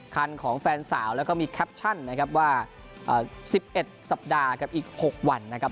คันของแฟนสาวแล้วก็มีแคปชั่นนะครับว่า๑๑สัปดาห์กับอีก๖วันนะครับ